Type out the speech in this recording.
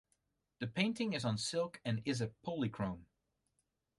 The painting is on silk and is a polychrome.